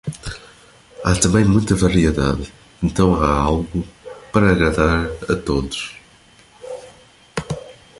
Há também muita variedade, então há algo para agradar a todos.